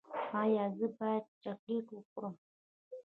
ایا زه باید چاکلیټ وخورم؟